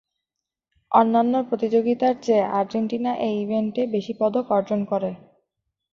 অন্যান্য প্রতিযোগিতার চেয়ে আর্জেন্টিনা এই ইভেন্টে বেশি পদক অর্জন করে।